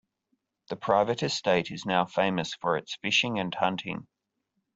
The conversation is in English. The private estate is now famous for its fishing and hunting.